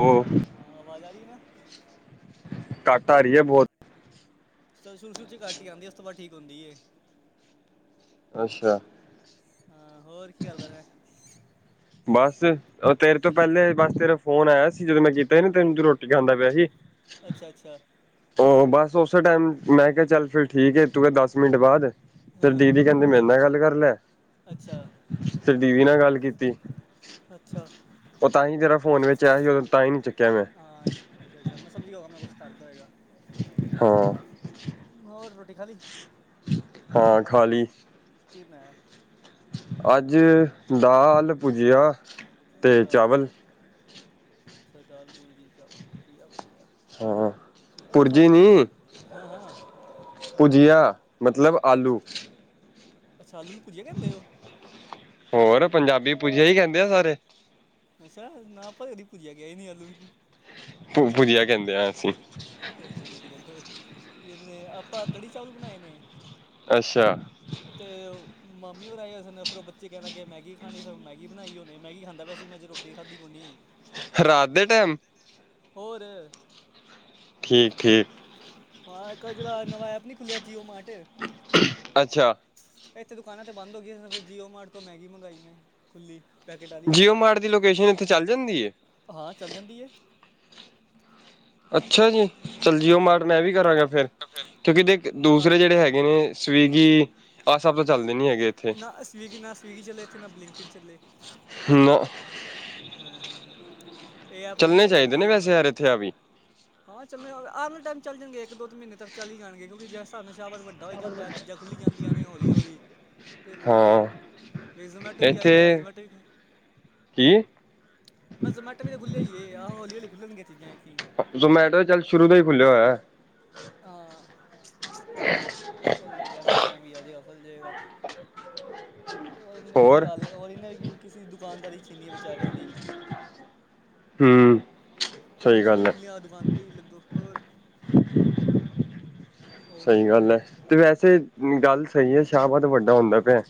ਹੋ, ਹਾਂ ਆਵਾਜ਼ ਆ ਰਹੀ ਨਾ, ਘੱਟ ਆ ਰਹੀ ਹੈ ਬਹੁਤ ਸ ਸ਼ੁਰੂ-ਸ਼ੁਰੂ ਚ ਘੱਟ ਹੀ ਆਦੀ ਅਥਵਾ ਠੀਕ ਹੁੰਦੀ ਹੈ। ਅੱਛਾ। ਹਾਂ। ਹੋਰ ਕੀ ਕਰਦਾ ਫਿਰ ਬਸ। ਉਹ ਤੇਰੇ ਤੋਂ ਪਹਿਲੇ ਬਸ ਤੇਰਾ ਫੋਨ ਆਇਆ ਸੀ, ਜਦੋਂ ਮੈਂ ਕੀਤਾ ਸੀ ਨਾ ਤੇੈਨੂੰ ਤੂੰ ਰੋਟੀ ਖਾਂਦਾ ਪਿਆ ਸੀ। ਅੱਛਾ, ਅੱਛਾ, ਉਹ ਬਸ ਉਸੇ ਟਾਈਮ ਮੈਂ ਕਿਹਾ, ਚੱਲ ਫਿਰ ਠੀਕ ਆ ਤੂੰ ਦਸ ਮਿੰਟ ਬਾਅਦ ਤੇ ਹਾਂ ਹਾਂ ਦੀਦੀ ਕਹਿੰਦੀ ਮੇਰੇ ਨਾਲ ਗੱਲ ਕਰ ਲੈ। ਅੱਛਾ ਫੇਰ ਦੀਦੀ ਨਾਲ ਗੱਲ ਕੀਤੀ। ਅੱਛਾ ਉਹ ਤਾਂਹੀ ਜਿਹੜਾ ਫੋਨ ਵਿੱਚ ਆਇਆ ਸੀ, ਦੋਂ ਤਾਂ ਹੀ ਨਹੀਂ ਚੁੱਕਿਆ ਮੈਂ ਹਾਂ ਅੱਛਾ, ਅੱਛਾ, ਮੈਂ ਸਮਝ ਗਿਆ ਮੈਂ ਕੁਛ ਖਦਾ ਹੈਗਾ, ਹਾਂ ਹੋਰ ਰੋਟੀ ਖਾਲੀ? ਹਾਂ ਖਾਲੀ, ਕੀ ਮੈ ਅੱਜ ਦਾ ਹਾਲ ਪੁੱਜਿਆ। ਅੱਛਾ- ਅੱਛਾ ਦਾਲ -ਪੂੜੀ ਤੇ ਚਾਵਲ ਵਧੀਆ- ਵਧੀਆ। ਹਾਂ ਅ ਪੁਰਜੀ ਸਾਡੇ ਤੇ ਨੀ ਹਾਂ- ਹਾਂ। ਭੁਜੀਆ। ਮਤਲਬ ਪੁੱਜ ਆਲੂ ਅੱਛਾ। ਆਲੂ ਨੂੰ ਪੁੱਜਿਆ ਕਹਿੰਦੇ ਉਹ। ਹੋਰ ਪੰਜਾਬੀ ਪੁੂਜਿਆ ਹੀ ਕਹਿੰਦੇ ਆ ਸਾਰੇ। ਅੱਛਾ ਨਾ ਆਪਾਂ ਕਦੀ ਪੁੱਜਿਆ ਕਿਹਾ ਨੀ ਆਲੂ ਨੂੰ। ਭ ਭੁਜਿਆ ਕਹਿੰਦੇ ਹ ਅਸੀਂ। ਅੱਛਾ। ਤੁਸੀਂ ਕਹਿੰਦੇ ਹੋ, ਕੀ ਕਹਿੰਦੇ ਨੇ। ਆਪਾਂ ਕੜੀ -ਚਾਵਲ ਬਣਾਏ ਨੇ। ਅੱਛਾ। ਅਤੇ ਮੰਮੀ ਹੋਰ ਆਏ ਨੇ ਫਿਰ ਉਹ ਬੱਚੇ ਕਹਿੰਦਾੱਗੇ ਮੈਗੀ ਖਾਣੀ ਫਿਰ ਮੈਗੀ ਬਣਾਈ ਹੋੇ ਮੈਗੀ ਖਾਂਦਾ ਵੈਸੇ ਮੈਂ ਜੇ। ਦੇ ਖਾਦੀ ਕੋਨੀ। ਰਾਤ ਦੇ ਟਾਈਮ। ਹੋਰ ਠੀਕ -ਠੀਕ। ਹਾਂ। ਇੱਕ ਜ ਨਵਾਂ ਐਪ ਨੀ ਖੁਲਿਆ ਜੀਓ ਮਾਟ। ਅੱਛਾ। ਇੱਥੇ ਦੁਕਾਨਾਂ ਤੇ ਬੰਦ ਹੋ ਗਈਆਂ। ਫਿਰ ਜੀਓ ਮਾਰਟ ਤੋਂ ਮੈਗੀ ਮੰਗਾਈ ਮੈਂ ਖੁੱਲੀ। ਪੈਕੇਟ ਵਾਲੀ ਜੀਓ ਮਾਰਟ ਦੀ ਲੋਕੇਸ਼ਨ ਇੱਥੇ ਚੱਲ ਜਾਂਦੀ ਹੈ। ਹਾਂ। ਚੱਲ ਜਾਂਦੀ ਹੈ। ਅੱਛਾ ਜੀ। ਚੱਲ ਜੀਓ ਮਾਟ ਮੈਂ ਹਾਂਜੀ ਵੀ ਕਰਾਂਗਾ ਫੇਰ, ਕਿਉਂਕਿ ਦੇ ਹਾਂ ਕਰ ਦੂਸਰੇ ਜਿਹੜੇ ਹੈਗੇ ਨੇ। ਸਵੀਗੀ ਆਹ ਸਭ ਤਾਂ ਚੱਲਦੇ ਨੀ ਹੈਗੇ। ਇੱਥੇ ਨਾ ਸਵੀਗੀ, ਨਾ ਸਵੀਗੀ ਚੱਲੇ ਇੱਥੇ ਨਾ ਬਲਿੰਕਟ ਚੱਲੇ। ਨੌ। ਹਾਂ- ਹਾਂ- ਹਾਂ ਇਹ ਐਪ ਵਧੀਆ ਚੱਲਣੇ ਹੇਗਾ ਚਾਹੀਦੇ ਨੇ ਤੇ ਵੈਸੇ ਗੱਲ। ਯਾਰ ਇੱਥੇ ਆ ਵੀ ਹਾਂ। ਚੱਲ ਆਰ ਵਾਲੇ ਟਾਈਮ ਚੱਲ ਜਾਂਣਗੇ ਇੱਕ -ਦੋ ਤ ਮਹੀਨੇ ਤੱਕ ਚੱਲ ਹੀ ਜਾਣਗੇ। ਕਿਉਂਕਿ ਜੇ। ਧਰਨ ਸ਼ਬਤ ਵੱਡਾ ਹੋਈ ਜਾਂਦਾ। ਚੀਜ਼ਾਂ ਖੁੱਲੀ ਜਾਂਦੀਆਂ ਨੇ ਹੌਲੀ- ਹੌਲੀ। ਅਤੇ ਖੋਲ੍ਹ ਹਾਂ ਜੇਗਾ ਵੀ। ਜ਼ੋਮੈਟੋ ਵੀ ਆ ਹੀ ਇੱਥੇ ਗਿਆ ਜ਼ੋਮੈਟੋ ਵੀ ਖੋਲ। ਕੀ। ਬਸ ਜਮਟਟਰ ਵੀ ਤਾਂ ਖੁੱਲ੍ਹ ਹੀ ਹੈ। ਆਹੋ ਹੌਲੀ- ਹਲੀ ਖੁੱਲਣਗੀਆਂ ਚੀਜ਼ਾਂ ਕੀ। ਜ਼ੋਮੈਟੋ ਚੱਲ ਸ਼ੁਰੂ ਤੋਂ ਹੀ ਖੁੱਲਿਆ ਹੋਇਆ। ਹਾਂ। [inaudible] ਖੁੱਲ ਜਾਏਗਾ ਟਾਈਮ ਵੀ ਵਧ ਖੁੱਲ ਜਾਏਗਾ। ਹੋਰ ਇਹਨੇ ਕੀ ਹਾਲ ਹੋਰ ਇਹਨੇ ਕੀ ਕਿਸੇ ਦੁਕਾਨਦਾਰੀ ਛੀਨੀ ਹੈ ਵਿਚਾਰਿਆਂ ਦੀ। ਹਮ। ਫੇਰ ਜਿੰਨਾ ਨਹੀਂ ਖੁੱਲ੍ਹਿਆ ਦੁਕਾਨ ਤੇ ਹੀ ਲੱਗੋ ਹੋਰ। ਉਹ ਤੇ ਸਹੀ ਜਿਹੜੇ ਗੱਲ ਆਏ ਏ ਤੇ ਵੈਸੇ ਗੱਲ ਸਹੀ ਏ, ਸ਼ਾਹਬਾਦ ਵੱਡਾ ਹੁੰਦਾ ਪਿਆ।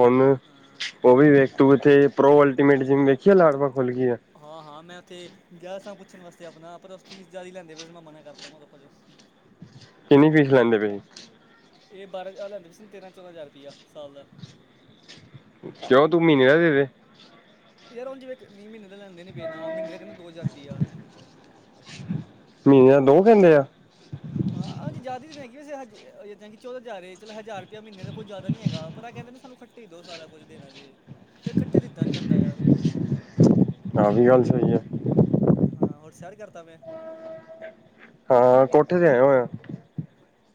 ਹੁਣ ਹਾਂ ਉਹ ਵੀ ਦੇਖ ਤੂੰ ਇੱਥੇ ਪ੍ਰੋ ਅਲਟੀਮੇਟ ਜਿਮ ਵੇਖੀ ਲਾਲ ਬਾਗ ਖੁੱਲ ਗਈ ਆ। ਹਾਂ-ਹਾਂ, ਮੈਂ ਉੱਥੇ ਗਿਆ ਸਾਂ ਪੁੱਛਣ ਵਾਸਤੇ ਆਪਣਾ ਪਰ ਫੀਸ ਜ਼ਿਆਦਾ ਲੈਂਦੇ ਪਏ ਸੀ। ਮੈਂ ਮਨਾ ਕਰਤਾ ਕਿਹਾ ਭੱਜ ਜੋ। ਕਿੰਨੀ ਫੀਸ ਲੈਂਦੇ ਪਏ ਨੇ। ਇਹ ਬਾਰਾਂ ਹਜ਼ਾਰ ਲੈਂਦੇ ਸੀ ਹੁਣ, ਤੇਰਾਂ- ਚੌਦਾਂ ਹਜ਼ਾਰ ਰੁਪਈਆ ਸਾਲ ਦਾ। ਕਿਉ ਤੂੰ ਮਹੀਨੇ ਦਾ ਦੇਂਦੇ। ਫੇਰ ਹੁਣ ਜਿਵੇਂ ਇੱਕ ਮਹੀਨੇ ਦਾ ਲੈਂਦੇ ਨਹੀਂ ਪਏ ਨਾ, ਮਹੀਨੇ ਦਾ ਦੋ ਹਜ਼ਾਰ ਰੁਪਈਆ। ਮਹੀਨੇ ਦਾ ਦੋ ਹਜਾਰ ਲੈਆ। ਹਾਂ। ਜ਼ਿਆਦਾ ਇਹ ਤਾਂ ਹੈਗੀ ਹੈ ਵੈਸੇ, ਜਿਦਾਂ ਕਿ ਚੌਦਾਂ ਹਜ਼ਾਰ ਹੈ। ਚੱਲ ਹਜ਼ਾਰ ਰੁਪਇਆ ਮਹੀਨੇ ਦਾ ਜ਼ਿਆਦਾ ਨਹੀਂ ਹੈਗਾ। ਪਰ ਆ ਕਹਿੰਦੇ ਸਾਨੂੰ। ਇੱਕਠੇ ਦਿਓ ਸਾਰਾ ਕੁਛ ਦੇਣਾ ਜੇ। ਫੇਰ ਇਕੱਠਾ ਦਿੱਤਾ ਨੀ ਜਾਂਦਾ ਯਾਰ। ਆਹ ਵੀ ਗੱਲ ਸਹੀ ਹੈ। ਹਾਂ। ਹੋਰ ਸੈਰ ਕਰਦਾ ਮੈਂ। ਹਾਂ। ਕੋਠੇ ਤੇ ਆਏ ਹੋਇਆ।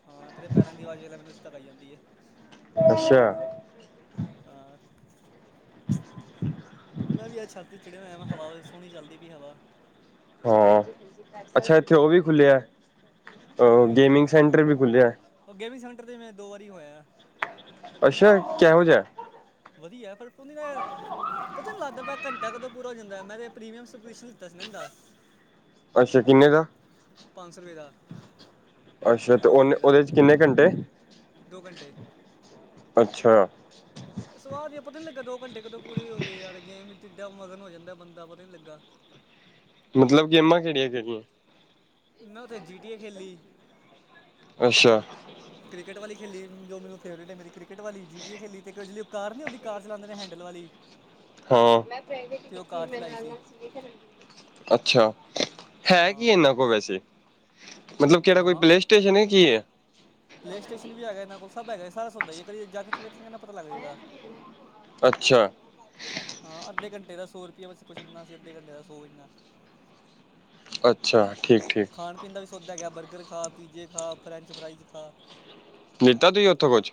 ਹਾਂ, ਤੇਰੇ ਪੈਰਾਂ ਦੀ ਆਵਾਜ਼ ਲੇ ਮੈਨੂੰ ਇਥੇ ਤੱਕ ਆਈ ਜਾਂਦੀ ਐ। ਅੱਛਾ। ਆਹ। ਮੈਂ ਵੀ ਅੱਜ ਛੱਤ ਤੇ ਚੜਿਆ ਹੋਇਆ, ਹਵਾ ਸੋਹਣੀ ਚੱਲਦੀ ਪਈਆ ਹਵਾ। ਹਾਂ, ਅੱਛਾ ਇੱਥੇ ਉਹ ਵੀ ਖੁੱਲਿਆ ਕੀ ਖੁੱਲ ਗਿਆ ਗੇਮਿੰਗ ਸੈਂਟਰ ਵੀ ਖੁੱਲ੍ਹਿਆ। ਉਹ ਗੇਮਿੰਗ ਸੈਂਟਰ ਤੇ ਮੈਂ ਦੋ ਵਾਰੀ ਹੋਇਆ। ਅੱਛਾ, ਕਿਹੋ ਜਿਹਾ। ਵਧੀਆ ਪਰ ਉਹ ਨਾ। ਪਤਾ ਨਹੀਂ ਲੱਗਦਾ ਪਿਆ ਘੰਟਾ ਕਦੋਂ ਪੂਰਾ ਹੋ ਜਾਂਦਾ ਮੈਂ ਤੇ ਪ੍ਰੀਮੀਅਮ ਸੁਪਸ਼ਨ ਲਿੱਤਾ ਸੀ ਇਹਨਾਂ ਦਾ। ਅੱਛਾ, ਕਿੰਨੇ ਦਾ। ਪੰਜ ਸੌ ਰੁਪਏ ਦਾ। ਅੱਛਾ ਤੇ ਦੋ ਉਹਨੇ ਘੰਟੇ ਦਾ ਉਹਦੇ ਚ ਕਿੰਨੇ ਘੰਟੇ ਦੋ ਘੰਟੇ ਅੱਛਾ। ਸਵਾਦ ਹੀ ਪਤਾ ਨੀ ਲੱਗਾ, ਦੋ ਘੰਟੇ ਕਦੋਂ ਪੂਰੇ ਹੋ ਗਏ ਯਾਰ ਗੇਮ ਵੀ ਇੱਡਾ ਮਗਨ ਹੋ ਜਾਂਦਾ ਬੰਦਾ ਪਤਾ ਨੀ ਲੱਗਾ। ਮਤਲਬ ਗੇਮਾਂ ਕਿਹੜੀਆਂ ਖੇਡਣੀਆਂ। ਮੈਂ ਉੱਥੇ ਜੀਟੀਏ ਖੇਲੀ। ਅੱਛਾ। ਅੱਛਾ। ਕ੍ਰਿਕਟ ਵਾਲੀ ਖੇਲੀ, ਜੋ ਮੈਨੂੰ ਫੇਵਰੇਟ ਐ ਮੇਰੀ ਕ੍ਰਿਕਟ ਵਾਲੀ, ਜੀਟੀਏ ਖੇਲੀ ਅਤੇ ਇੱਕ ਜਿਹੜੀ ਉਹ ਕਾਰ ਨਹੀਂ ਉਹਦੀ ਕਾਰ ਚਲਾਉਂਦੇ ਨੇ ਹੈਂਡਲ ਵਾਲੀ। [inaudible] ਹਾਂ। ਤੇ ਉਹ ਕਾਰ ਚਲਾਈ ਸੀ ਅੱਛਾ, ਹੈ ਕੀ ਹਾਂ ਇਹਨਾਂ ਕੋਲ ਵੈਸੇ। ਮਤਲਬ ਕਿਹੜਾ ਕੋਈ ਹਾਂ ਪਲੇ ਸਟੇਸ਼ਨ ਹੈ ਕੀ ਹੈ। ਪਲੇ ਸਟੇਸ਼ਨ ਵੀ ਹੈਗਾ ਇਹਨਾਂ ਕੋਲ, ਸਭ ਹੈਗਾ ਸਾਰਾ ਸੌਦਾ ਹੈ ਕੀ ਇੱਕ ਵਾਰੀ ਜਾ ਕੇ ਉੱਥੇ ਵੇਖੇਗਾ ਨਾ ਸਾਰਾ ਪਤਾ ਲੱਗ ਜਾਏਗਾ। ਅੱਛਾ। ਹਾਂ ਅੱਧੇ ਘੰਟੇ ਦਾ ਸੌ ਰੁਪਇਆ ਬਸ ਕੁਛ ਇੰਨਾ ਸੀ ਅੱਧੇ ਘੰਟੇ ਦਾ ਸੌ ਇੰਨਾ। ਅੱਛਾ, ਠੀਕ-ਠੀਕ। ਖਾਣ ਪੀਣ ਦਾ ਵੀ ਸੌਦਾ ਹੈਗਾ ਹੈਂ। ਬਰਗਰ ਖਾ, ਪੀਜੇ ਖਾ, ਫਰੈਂਚ ਫਰਾਈਜ਼ ਖਾ। ਲੀਤਾ ਤੁਸੀਂ ਉੱਥੋਂ ਕੁਝ।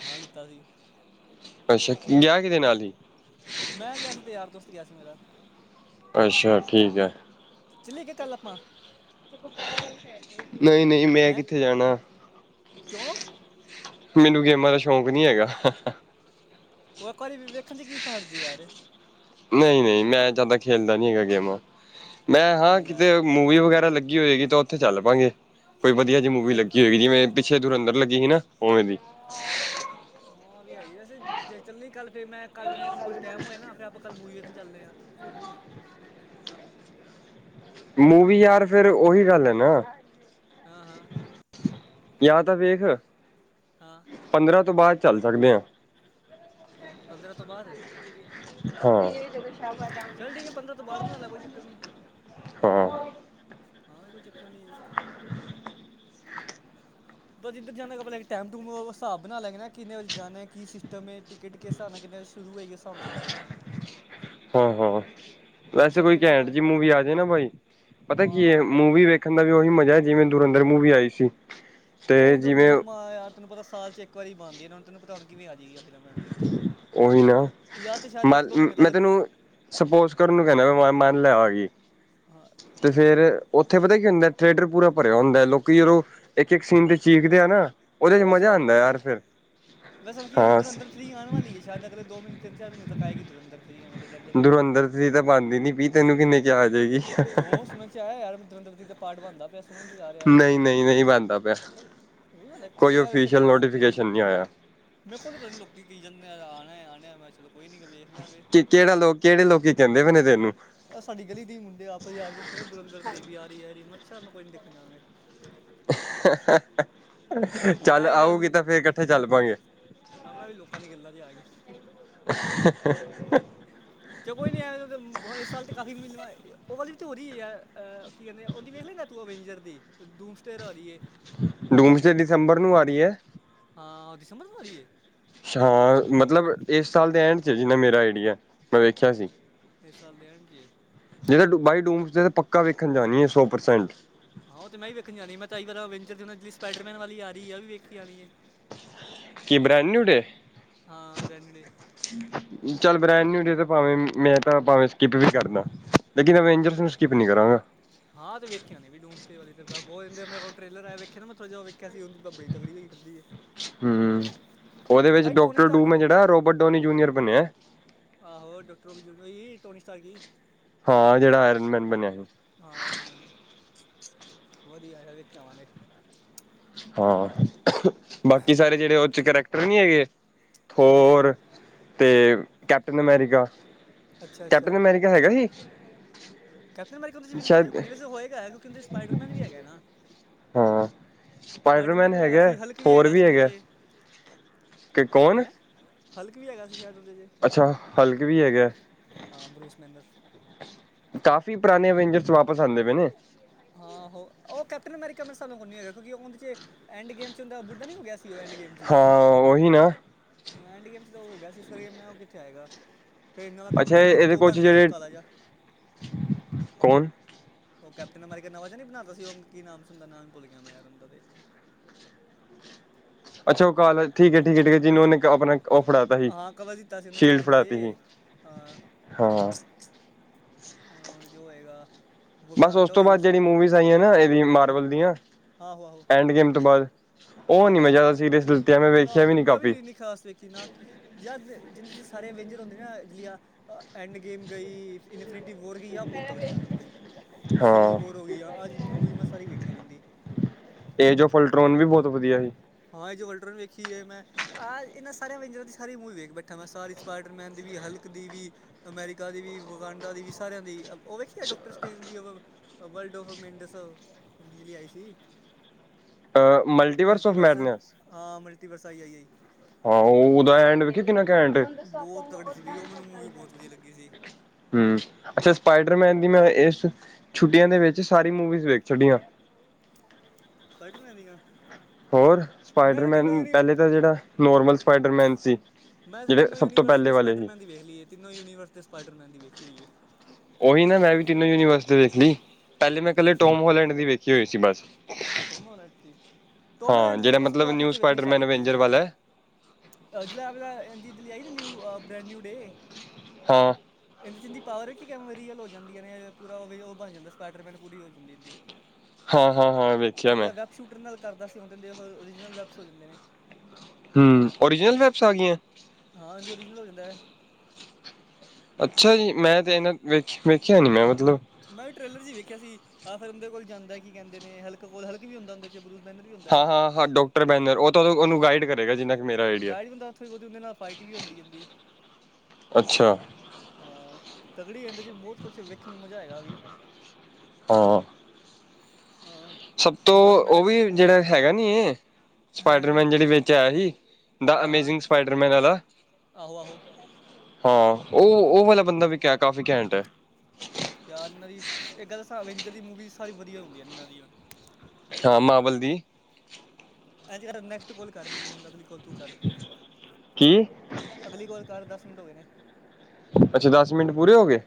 ਹਾਂ ਲਿੱਤਾ ਸੀ। ਅੱਛਾ, ਗਿਆ ਕਿਦੇ ਨਾਲ ਹੀ। ਮੈਂ ਗਿਆ ਸੀ ਤੇ ਯਾਰ ਦੋਸਤ ਗਿਆ ਸੀ ਮੇਰਾ। ਅੱਛਾ, ਠੀਕ ਹੈ। ਚੱਲੇ ਗੇ ਕੱਲ ਆਪਾਂ। ਨਹੀਂ-ਨਹੀਂ, ਮੈਂ ਹੈਂ ਕਿੱਥੇ ਜਾਣਾ। ਕਿਉਂ। ਮੈਨੂੰ ਗੇਮਾਂ ਦਾ ਸ਼ੌਂਕ ਨੀ ਹੈਗਾ। ਉਹ ਇੱਕ ਵਾਰੀ ਵੀ ਵੇਖਣ ਚ ਕੀ ਫਰਜ਼ ਹੈ ਯਾਰ ਨਹੀਂ ਨਹੀਂ ਮੈਂ ਜਿਆਦਾ ਖੇਲਦਾ ਨੀ ਹੈਗਾ ਗੇਮਾਂ ਮੈਂ ਹਾਂ ਲੈ ਕਿਤੇ ਮੂਵੀ ਵਗੈਰਾ ਲੱਗੀ ਹੋਏਗੀ ਤਾਂ ਉੱਥੇ ਚੱਲ ਪਾਾਂਗੇ ਕੋਈ ਵਧੀਆ ਜਿਹੀ ਮੂਵੀ ਫਿਰ ਲੱਗੀ ਹੋਏਗੀ ਜਿਵੇਂ ਪਿੱਛੇ ਤੁਰਿੰਦਰ ਲੱਗੀ ਹੋਈ ਸੀ ਨਾ ਉਵੇਂ ਦੀ ਹਾਂ ਵੀ ਹੈਗੀ ਵੈਸੇ ਚੱਲੀ ਕੱਲ ਫਿਰ ਮੈਂ ਕੱਲ ਮੇਰੇ ਕੋਲ ਟਾਈਮ ਹੋਇਆ ਨਾ ਫਿਰ ਆਪਾਂ ਕੱਲ ਮੂਵੀ ਵੇਖਣ ਚੱਲਦੇ ਹਾਂ। ਮੂਵੀ ਹੈਂ ਯਾਰ ਫਿਰ ਉਹੀ ਗੱਲ ਐ ਨਾ। ਹਾਂ-ਹਾਂ। ਜਾਂ ਤਾਂ ਵੇਖ ਹਾਂ ਪੰਦਰਾਂ ਤੋਂ ਬਾਅਦ ਚੱਲ ਸਕਦੇ ਆ। ਪੰਦਰਾਂ ਤੋਂ ਬਾਅਦ ਹਾਂ। ਚੱਲ ਠੀਕ ਐ, ਪੰਦਰਾਂ ਤੋਂ ਬਾਅਦ ਬਣਾ ਲੈ ਕੋਈ ਚੱਕਰ ਨੀ। ਹਾਂ ਹਾਂ ਵੀ ਕੋਈ ਚੱਕਰ ਨਹੀਂ। ਬਸ ਜਿਧਰ ਜਾਣਾ ਆਪਣਾ ਟਾਈਮ ਟੂਮ ਹਿਸਾਬ ਬਣਾ ਲਾ ਨਾ ਕਿੰਨੇ ਵਜੇ ਜਾਣਾ, ਕੀ ਸਿਸਟਮ ਏ। ਟਿਕਟ ਕਿਸ ਹਿਸਾਬ ਨਾਲ ਕਿੰਨੇ ਵਜੇ ਸ਼ੁਰੂ ਹੋਗੇ ਉਸ ਹਿਸਾਬ ਨਾਲ ਚੱਲਾਂਗੇ ਨਾ। ਹਾਂ-ਹਾਂ। ਉਸ ਵੈਸੇ ਹਿਸਾਬ ਨਾਲ ਕੋਈ ਖਰੀਦ ਸਕਦੇ ਕੈਂਟ ਹਾਂ ਜਿਹੀ ਮੂਵੀ ਆ ਜੇ ਨਾ ਬਾਈ ਪਤਾ ਕੀ ਹੈ ਹਾਂ ਮੂਵੀ ਵੇਖ। ਦੇਖਣ ਦਾ ਵੀ ਉਹੀ ਮਜ਼ਾ ਹੈ ਜਿਵੇਂ ਦੁਰਿੰਧਰ ਮੂਵੀ ਆਈ ਸੀ। ਤੇ ਉਹ ਹਣ ਜਿਵੇਂ ਫਿਲਮਾਂ ਆ ਯਾਰ ਤੈਨ ਪਤਾ ਸਾਲ ਚ ਇੱਕ ਵ ਬਣਦੀਆਂ ਨਾੁ ਤੈਨੂੰ ਪਤਾ ਹੁਣ ਕਿਵੇਂ ਆ ਜਾਗੀ ਫਿਲਮ ਐਵੇ ਦੀ ਕੋਈ ਉਹੀ ਨਾ ਯਾਰ ਤੇ ਸ਼ਾਇਦ ਇੱਕ ਮਨ ਦੋ ਮਹੀਨੇ ਮੈਂ ਤੱਕ ਤੈਨੂੰ ਸਪੋਜ ਕਰਨ ਨੂੰ ਕਹਿਣਾ ਮੈਂ ਮੰਨ ਲੈ ਆਗੀ ਹਾਂ ਤੇ ਫੇਰ ਉੱਥੇ ਪਤਾ ਹੀ ਕੀ ਹੁੰਦਾ ਥੀਏਟਰ ਪੂਰਾ ਭਰਿਆ ਹੁੰਦਾ ਹੈ ਲੋਕੀ ਜਦੋਂ ਇੱਕ ਇੱਕ ਸੀਨ ਤੇ ਚੀਖਦੇ ਆ ਨਾ ਉਹਦੇ ਚ ਉਹ ਮਜ਼ਾ ਸਵਾਦ ਆਂਦਾ ਆਉਂਦਾ ਯਾਰ ਫਿਰ ਵੈਸੇ ਕੀ ਆਦੇ ਹਾਂ ਦੁਰੰਧ ਨਹੀਂ ਆਨ ਵਾਲੀ ਸ਼ਾਇਦ ਅਗਲੇ ਦੋ ਮਹੀਨੇ ਚਾਰ ਮਹੀਨੇ ਤ ਆਏਗੀ ਤੇ ਕਹਿੰਦੇ ਪ ਨੇ ਆ ਤੇਰੀ ਤਾਂ ਬਣਦੀ ਨੀ ਵੀ ਤੈਨੂੰ ਕਿਵੇਂ ਯਾਦ ਰਵੇਗੀ ਕਿਉਂ ਸੁਣ ਚ ਆਇਆ ਯਾਰ ਮੈਂ ਦਰਿੰਦਰ ਦੀ ਦਾ ਪਾਟ ਬਣਦਾ ਪਿਆ ਸੁਣਨ 'ਚ ਆ ਰਿਹਾ ਨਹੀਂ ਨਹੀਂ ਨਹੀਂ ਬਣਦਾ ਪਿਆ ਨਹੀਂ ਕੋਈ ਬਣਦਾ ਓਫੀਸ਼ਲ ਨੋਟੀਫਕੇਸ਼ਨ ਨਹੀਂ ਹੋਇਆ ਮੇ ਕੋਲ ਪਤਾ ਨੀ ਲੋਕੀ ਕੀ ਜਾਂਦੇ ਆ ਆਉਣਾ ਆਉ ਆ ਮ ਕਿਹਾ ਚਲ ਕੋਈ ਨੀ ਲਾਂਗੇ। ਕਿਹੜਾ ਲੋਕ ਕਿਹੜੇ ਲੋਕੀ ਕਹਿੰਦੇ ਪਏ ਨੇ ਤਨੂੰ ਇਹ ਸਾਡੀ ਗਲੀ ਦੇ ਹੀ ਮੁੰਡੇ ਆਪੇ ਯਾਰ ਦ ਕਹਿੰਦੇ ਦੁਰੰਧ ਥਰੀ ਵੀ ਆ ਰਹੀ ਯਾਰੀ ਮੈਂ ਅੱਛਾ ਮੈਂ ਕੋਈ ਨੀ ਦੇਖਣ ਜਾਾਂਗੇ ਚੱਲ ਮੈਂ ਹੀ ਆਊਗੀ ਤਾਂ ਫੇਰ ਇਕੱਠੇ ਚੱਲ ਪਾਾਂਗੇ ਹਾਂ ਮੈਂ ਵੀ ਲੋਕਾਂ ਦੀਆਂ ਗੱਲਾਂ ਚ ਆ ਗਿਆ [unintelligible] ਹਾਹਾ ਚ ਕੋਈ ਨਹੀਂ ਆ ਇਸ ਸਾਲ ਤਾਂ ਕਾਫ਼ੀ ਮਿਲ ਉਹਓਵ ਵੀ ਤਾਂ ਹੋ ਰ ਹੈ ਕੀ ਉਹਦੀ ਵੇਖ ਲ ਨਾ ਤੂੰ ਅਵੇਂਜਰ ਦੀ ਦੂਮਸ ਸਟੇਰਾ ਹੋ ਰਹੀ ਹੈ ਡੂਮ ਦਸੰਬਰ ਨੂੰ ਆ ਰਹੀ ਹੈ ਹਾਂ ਦਿਸੰਬਰ ਨੂੰ ਆ ਰਹੀ ਹੈ ਅੱਛਾ ਮਤਲਬ ਇਸ ਸਾਲ ਦੇ ਐਂਡ ਚ ਜਿਨਾ ਮੇਰਾ ਆਈਡੀਆ ਮੈਂ ਵੇਖਿਆ ਸੀ ਇਸ ਸਾਲ ਦੇਣ ਗੇ ਜਿ ਬਾਈ ਦੂਮ ਪੱਕਾ ਵੇਖਣ ਜਾਣੀ ਹੈ ਸੌ ਪ੍ਰਸੈਂਟ ਆਹੋ ਮ ਵੀ ਵੇਖਣ ਜਾਣੀ ਆ ਮੈਂ ਤਾਂਈ ਵਾਰ ਅਂਜਰ ਜਿਹੜ ਸਪਾਈਡਰ ਮਨ ਵਾਲੀ ਆ ਰਹੀ ਹੈ ਉਹ ਵੀ ਵੇਖ ਆਣੀ ਹੈ ਕੀ ਬਰੈਡਨਿਊ ਨੇ ਹਾਂ ਬ੍ਰੈਂਡ ਡੇ ਚੱਲ ਬ੍ਰੈਂਡ ਨੀਡੀ ਭਾਵੇਂ ਮੈਂ ਤਾਂ ਭਾਵੇਂ ਸਕਿੱਪ ਵੀ ਕਰਦਾ ਲੇਕਿਨ ਇੰਜਰਸ ਨੂੰ ਸਕਿਪ ਨੀ ਕਰਾਂਗਾ ਹਾਂ ਤੇ ਵੇਖਿਆ ਨੇ ਵੀ ਡੂਮਟ ਵਾਲੇ ਤੇ ਬਤਿੰਦੇ ਮੇ ਕੋਲ ਟਰੇਲਰ ਆਆੇਖਿਆ ਨਾ ਮੈਂਥੋੜਾ ਜਹਾ ਵੇਖਿਆ ਉਹਦੀ ਬੜ ਤਕੜੀ ਹੋਈ ਫਿਰਦੀ ਹੈ ਹਮ ਉਹਦੇ ਵਿੱਚ ਆਈ ਟੋਨੀ ਡਾਕਟਰ ਸਟਾਰ ਕੀ ਡੂਮੈਂ ਜਿਹੜਾ ਰੋਬਰਟ ਡੋਨੀ ਜੂਨੀਅਰ ਬਣਿਆ ਆਹੋ ਡਾਕਟਰੋ ਟੋਨੀ ਸਟਾਰ ਗਈ ਹਾਂ ਜਿਹੜਾ ਆਇਰਨਮੈਨ ਬਣਿਆ ਸੀ ਹਾਂ ਯਰਮਨੀ ਵਧੀਆ ਆਇਆ ਵੇਖ ਆਵਾਂਗੇ ਹਾਂ ਬਾਕੀ ਸਾਰੇ ਜਿਹੜੇ ਉਹ ਚ ਕਰੈਕਟਰ ਨਹੀਂੀ ਹੈਗੇ ਹਾਂ ਹਾਂ ਹੋਰ ਤੇ ਕੈਪਟਨ ਅਮੈਰੀਕਾ ਅੱਛਾ ਕੈਪਟਨ ਅੱਛਾ ਅਮੈਰੀਕਾ ਹੈਗਾ ਸੀ ਕੈਪਨ ਮਰੀ ਉਹਦੇ ਚ ਵੀਖ ਸ਼ਾਇਦ ਹੋ ਨਹੀਂ ਵਸ ਹੋਗਾ ਕਿਉਂਕਿ ਦੇ ਸਪਾਈਡਰਮੈ ਵੀ ਹੈਗਾ ਨਾ ਹਾਂ ਸਪਾਈਡਰਮੈਨ ਵੀ ਹੈਗਾ ਸੀ ਹਲਕ ਹੋਰ ਵੀ ਹੈਗਾ ਕਿ ਕੌਣ ਹੈਣ ਹਲਕ ਵੀ ਹੈਗਾ ਸੀ ਸ਼ਦਓਦੇਲ ਅੱਛਾ ਹਲਕ ਵੀ ਹੈਗਾ ਹਾਂ ਬਰੂਸ ਮਹਿੰਦਰ ਕਾਫੀ ਪੁਰਾਣੇ ਅਵੇਂਜਰਸ ਵਾਪਿਸ ਆਉਂਦੇ ਪਏ ਨੇ ਹਾਂੋ ਉਹ ਕੈਪਟਨ ਮਾਰ ਕ ਮ ਸਾਨੂੰ ਨਗਾਉਂ ਉਹ ਕਹਦੇੇ ਐਂਡ ਗੇਮ ਚ ਹੁੰਦਾ ਬੁੱਢ ਨ ਹੋ ਗਿਆ ਸੀ ਉਹ ਐਡ ਗੇਮ 'ਚ ਹਾਂ ਉਹੀ ਨਾ ਹਾਂ ਐਂਡੀ ਗੇਮ ਚ ਤਾਂ ਹੋ ਗਿਆ ਸੀ ਇਸ ਕਰਕੇ ਮੈਂ ਉਹ ਕਿੱਥੇ ਆਏਗਾ ਫਿਰ ਇਹਨਾਂ ਦਾ ਅੱਛਾ ਕੈਪਟਨ ਮਰੀ ਕੇ ਤੇ ਇਹਦੇ ਉਹ ਕੁਛ ਬਣ ਗਿਆ ਸੀ, ਉਹ ਜਿਹੜੇ ਕਾਲਾ ਜਾ। ਕੌਣ ਉਹ ਕੈਪਟਨ ਮਰ ਨਵਾਂ ਜਿ ਨੀ ਬਣਾਤਾ ਸੀ, ਉਹ ਕੀ ਨਾਮ ਉਹਦਾ ਨਾਮ ਸੀ ਭੁੱਲ ਗਿਆ ਮੈਂ ਉਹਦਾ ਤੇ ਅੱਛਾ ਉਹ ਕਾਲ ਠੀਕ ਐ- ਠੀਕ ਐ- ਠੀਕ ਐ, ਜਿਨੂੰ ਉਹਨੇ ਆਪਣਾ ਉਹ ਫੜਾਤਾ ਸੀ, ਹਾਂ ਕਵਰ ਦਿੱਤਾ ਸੀ ਉਹਨੇ ਸ਼ੀਲਡ ਐਂਡ 'ਚ ਫੜਾਤੀ ਸੀ, ਹਾਂ ਹਾਂ। ਹਾਂ, ਉਹਦੇ ਚ ਹੋਏਗਾ। ਬਸ ਉਸ ਵਕਾਂਡ ਤੋਂ ਹੋਏਗੀ ਬਾਅਦ ਜਿਹੜੀ ਸ਼ਾਇਦ, ਮੂਵੀਜ਼ ਆਈਆਂ ਨਾ ਇਹਦੀ ਹਾਂ ਮਾਰਵਲ ਦੀਆਂ ਆਹੋ- ਆਹੋ ਐਂਡ ਗੇਮ ਤੋਂ ਬਾਅਦ ਉਹ ਹਾਂ- ਨੀ ਹਾਂ, ਮੈਂ ਜ਼ਿਆਦਾ ਸੀਰੀਅਸ ਲਿੱਤੀਆਂ ਮੈਂ ਨਾ ਵੇਖਿਆ ਨੀ ਮੈਂ ਕਾਫੀ ਵੀ ਇੰਨੀ ਖਾਸ ਵੇਖੀ ਨਾ। ਜ ਜਿਹਦੇ ਚ ਸਾਰੇ ਅਵੈਂਜਰ ਹੁੰਦੇ ਨਾ, ਜੀਆਂ ਐਂਡ ਗੇਮ ਗਈ ਇਨ ਪੀਟੀ ਵੋਰ ਗਈ ਆ ਬਹੁਤ ਤਕੜੀਆਂ ਸਨ, ਬਈ ਸਿਵਲ ਹਾਂ ਵੋਰ ਹੋ ਗਈ ਆ, ਅੱਜ ਮੂਵੀ ਮੈਂ ਸਾਰੀ ਵੇਖੀਆਂ ਰਹਿੰਦੀ। ਇਹ ਜੋ ਫਲਟ੍ਰੋਨ ਵੀ ਬਹੁਤ ਵਧੀਆ ਸੀ। ਹਾਂ, ਇਹ ਜੋ ਵਲਟਰਨ ਵੇਖੀ ਹੈ ਮੈਂ ਆਹ ਇਹਨਾਂ ਸਾਰਿਆਂ ਵੈਜਰਾਂ ਦੀ ਸਾਰੀ ਮੂਵੀ ਵੇਖ ਬੈਠਾ ਮੈਂ, ਸਾਰੀ ਸਪਾਈਡਰਮੈਨ ਦੀ ਵੀ, ਹਲਕ ਦੀ ਵੀ। ਅਮੈਰੀਕਾ ਦੀ ਵੀ, ਵਕਾਨਡਾ ਦੀ ਵੀ, ਸਾਰਿਆਂ ਦੀ ਉਹ ਵੇਖੀ ਏ ਡਾਕਟਰ ਸਟੇਨ ਦੀ ਵਰਲਡ ਔਫ ਮੈਂਡਸ ਬਿਜਲੀ ਆਈ ਸੀ। ਅ ਮਲਟੀਵਰਸ ਮਿਟੀ ਆਫ ਬਰਸ ਮੈਡਨੈਸ ਹਾਂ, ਮਿਲਟੀਵਰਸ ਆਈ -ਆਈ -ਆਈ ਹਾਂ ਉਹ ਉਹਦਾ ਐਂਡ ਵੇਖੇ ਕਿੰਨਾ ਕੈਂਟ ਐ। ਬਹੁ ਤਕੜੀ ਸੀ ਵੀ, ਉਹ ਮੈਨੂੰ ਮੂਵੀ ਬਹੁਤ ਵਧੀਆ ਲੱਗੀ ਸੀ। ਹੂੰ, ਅੱਛਾ ਸਪਾਈਡਰਮੈਨ ਦੀ ਮੈਂ ਇਸ ਛੁੱਟੀਆਂ ਦੇ ਵਿੱਚ ਸਾਰੀ ਮੂਵੀਜ਼ ਵੇਖ ਛੱਡੀ ਆਂ। ਪੜ੍ਹ ਲੈਂਦੀਆਂ। ਹੋਰ ਸਪਾਈਡਰਮੈਨ, ਪਹਿਲੇ ਤਾਂ ਜਿਹੜਾ ਨੋਰਮਲ ਸਪਾਈਡਰਮੈਨ ਸੀ ਮੈਂ ਤਾਂ ਜਿਹੜੇ ਤਿੰਨੋਂ ਸਭ ਤੋਂ ਯੂਨੀਵਰਸ ਪਹਿਲੇ ਦੇ ਵਾਲੇ ਸਪਾਈਡਰਮੈਨ ਦੀ ਵੇਖ ਲਈ ਹੈ ਤਿੰਨੋਂ ਯੂਨੀਵਰਸ ਦੇ ਸਪਾਈਡਰਮੈਨ ਦੀ ਵੇਖੀ ਹੋਈ ਏ। ਉਹੀ ਨਾ ਮੈਂ ਵੀ ਤਿੰਨੋ ਯੂਨੀਵਰਸ ਤੇ ਵੇਖ ਲਈ, ਪਹਿਲੇ ਮੈਂ ਇਕੱਲੇ ਟੋਮ ਹਾਂ ਹੋਲੈਂਡ ਦੀ ਵੇਖੀ ਹੋਈ ਸੀ ਬਸ। ਅੱਛਾ ਟੋਮਹੋਲੈਂਡ ਦੀ, ਟੋਮ ਹਾਂ ਹੋਲੈਂਡ ਦੀ ਜਿਹੜਾ ਮੈਂ ਸਭ ਤੋਂ ਮਤਲਬ ਆਖਰ ਨਿਊ ਚ ਵੇਖਣੀ ਸਟਾਟ ਸਪਾਈਡਰਮੈਨ ਕੀਤੀ ਅਵੇਂਜਰ ਸੀ। ਵਾਲਾ ਹੈ। ਹ ਜਲਾ ਦਿੱਲੀ ਆਈ ਨਾ, ਨਿਊ ਬ੍ਰੈਂਡ ਨਿਊ ਡੇ ਹਾਂ, ਇਹਦੇ ਚ ਇਹਦੀ ਪਾਵਰ ਹੈ ਕਿ ਐਵੇਂ ਰੀਅਲ ਹੋ ਜਾਂਦੀਆਂ ਨੇ, ਪੂਰਾ ਵੀ ਉਹ ਬਣ ਜਾਂਦਾ ਸਪਾਈਡਰਮੈਨ ਪੂਰੀ ਹੋ ਜਾਂਦੀ ਇਹਦੀ। ਹਾਂ- ਹਾਂ -ਹਾਂ ਐਂਵੇ ਪਹਿਲੇ ਤੇ ਇਹ ਵੈਬ ਸ਼ੂਟਰ ਨਾਲ ਕਰਦਾ ਸੀ, ਹੁਣ ਤੇ ਓਰੀਜਨਲ ਵੈਬਸ ਹੋ ਜਾਂਦੇ ਨੇ। ਹੂੰ, ਓਰੀਜਨਲ ਵੈਬਸ ਆ ਗਈਆਂ। ਹਾਂ, ਇਹਦੀ ਓਰੀਜਨਲ ਹੋ ਜਾਂਦਾ। ਅੱਛਾ ਜੀ, ਮੈਂ ਤੇ ਇਹਨਾਂ ਵੇਖ ਵੇਖਿਆ ਨੀ ਮੈਂ ਮਤਲਬ। ਮੈਂ ਵੀ ਟ੍ਰੇਲਰ ਚ ਹੀ ਵੇਖਿਆ ਸੀ, ਆਹ ਫਿਰ ਉਹਦੇ ਕੋਲ ਜਾਂਦਾ ਕੀ ਕਹਿੰਦੇ ਨੇ ਹਲਕ ਕੋਲ, ਹਲਕ ਵੀ ਹੁੰਦਾ ਉਹਦੇ ਜਬਰੂਸ ਮੈਨਰ ਵੀ ਹੁੰਦਾ। ਹਾਂ ਹਾਂ ਡਾਕਟਰ ਬੈਨਰ ਉਹ ਤਾਂ ਉਹਨੂੰ ਗਾਈਡ ਕਰ ਹੈਗਾ ਜਿੰਨਾ ਕੁ ਮੇਰਾ ਆਈਡੀਆ ਗਾਇਡ ਵੀ ਹੁੰਦਾ, ਥੋੜ੍ਹੀ ਬਹੁਤੀ ਉਹਦੇ ਨਾਲ ਫਾਈਟ ਵੀ ਹੁੰਦੀ ਜਾਂਦੀ। ਅੱਛਾ, ਹਾਂ ਤਕੜੀ ਕਹਿੰਦੇ, ਜੇ ਬਹੁਤ ਕੁਛ ਵੇਖਣ ਨੂੰ ਮਜਾ ਹੈਗਾ ਵੀ। ਹਾਂ, ਹਾਂ, ਸਭ ਤੋਂ ਬਸ ਮੈਂ ਉਹ ਕਿਹਾ ਚੱਲ ਵੀ ਜਿਹੜਾ ਹੈਗਾ ਨੀ ਇਹ ਹੈਂ ਹੈਂ ਸਪਾਈਡਰਮੈਨ ਜਿਹੜੀ ਵਿੱਚ ਆਇਆ ਸੀ। ਦਾ ਹਾਂ ਹਾਂ ਅਮੇਜ਼ਿੰਗ ਸਪਾਈਡਰਮੈਨ ਆਲਾ ਆਹੋ -ਆਹੋ ਹਾਂ, ਉਹ- ਉਹ ਵਾਲਾ ਬੰਦਾ ਵੀ ਕਿਆ ਕਾਫੀ ਘੈਂਟ ਐ। ਯਾਰ ਇਹਨਾਂ ਦੀ ਇਕ ਗੱਲ ਦੱਸਾਂ, ਅਵੇਂਜਰ ਦੀ ਮੂਵੀਜ਼ ਸਾਰੀ ਵਧੀਆ ਹੁੰਦੀਆਂ ਇਹਨਾਂ ਦੀਆਂ। ਹਾਂ ਮਾਵਲ ਦੀ। ਇੰਜ ਕਰ ਨੈਕਸਟ ਕੋਲ ਕਰ ਮੈਨੂੰ, ਹੁਣ ਅਗਲੀ ਕੋਲ ਤੂੰ ਕਰ। ਕੀ ਅਗਲੀ ਕੋਲ ਕਰ, ਦਸ ਮਿੰਟ ਹੋ ਗਏ ਨੇ। ਅੱਛਾ, ਦਸ ਮਿੰਟ ਪੂਰੇ ਹੋਗੇ।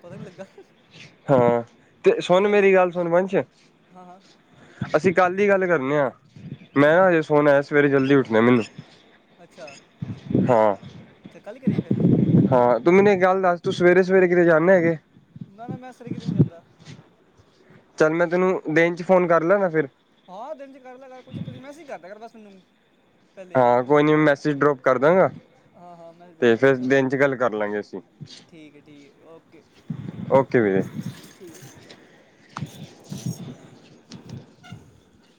ਪਤਾ ਨੀ ਲੱਗਾ ਚੱਲ ਹਾਂ, ਤੇ ਸੁਣ ਅਗਲੀ ਮੇਰੀ ਗੱਲ ਸੁਣ ਵੰਸ਼ ਹਾਂ ਹਾਂ ਅਸੀਂ ਕੱਲ ਦੀ ਗੱਲ ਕਰਨੇ ਆ, ਮੈਂ ਹਾਂ ਨਾ ਹਜੇ ਸੋਣ ਆਇਆ ਸਵੇਰੇ ਜਲਦੀ ਉੱਠਦੇ ਮੈਨੂੰ ਅੱਛਾ, ਹਾਂ ਤੇ ਕੱਲ੍ਹ ਕਰੇ ਫਿਰ ਹਾਂ, ਤੂੰ ਮੈਨੂੰ ਇੱਕ ਗੱਲ ਦੱਸ ਤੂੰ ਸਵੇਰੇ ਸਵੇਰੇ ਕਿਤੇ ਜਾਂਦੇੇ ਹੈਗੇ ਨਾ -ਨਾ ਮੈਂ ਸਵੇਰੇ ਕਿਤੇ ਨਹੀਂ ਜਾਂਦਾ ਚੱਲ, ਮੈਂ ਤੈਨੂੰ ਦਿਨ ਚ ਫੋਨ ਕਰ ਲਾਂਗਾ ਫਿਰ ਹਹ ਦਿਨ ਚ ਕਰਦਾ ਕਰ ਕੋਈ ਚੱਕਰ ਨਹੀ, ਮੈਂਸਜ ਕਰਦਾ ਕਰ ਬਸ ਮੈਨੂੰ ਪਹਿਲੇ ਹਾਂ, ਕੋਈ ਨੀ ਮੈਸੇਜ ਡਰੋਪ ਕਰ ਦਾਂਗਾ ਹਾਂ ਹਾਂ ਮੈਂਸਜ ਡੋਪ ਤੇ ਕਰ ਫਿਰ ਦੇਗਾ, ਦਿਨ ਚ ਗੱਲ ਕਰ ਲਾਂਗੇ ਅਸੀਂ ਠੀਕ ਹੈ ਠੀਕ ਹੈ ਓਕੇ। ਓਕੇ ਵੀਰੇ ਠੀਕ ਹੈ ਠੀਕ ਹੈ [unintelligible] [unintelligible]